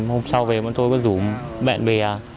hôm sau về bọn tôi có rủ bạn về